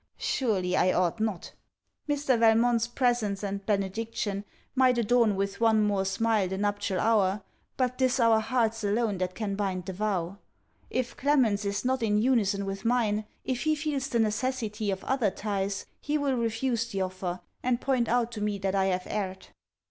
Surely I ought not. Mr. Valmont's presence and benediction might adorn with one more smile the nuptial hour, but 'tis our hearts alone that can bind the vow. If Clement's is not in unison with mine, if he feels the necessity of other ties, he will refuse the offer, and point out to me that I have erred.